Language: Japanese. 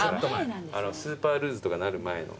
スーパールーズとかなる前の。